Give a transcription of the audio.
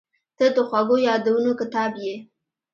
• ته د خوږو یادونو کتاب یې.